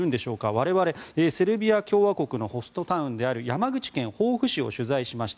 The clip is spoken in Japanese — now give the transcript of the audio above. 我々、セルビア共和国のホストタウンである山口県防府市を取材しました。